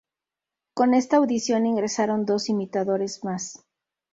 Con esta audición ingresaron dos imitadores más.